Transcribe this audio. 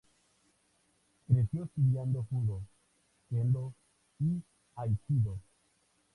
Creció estudiando judo, kendo y aikido.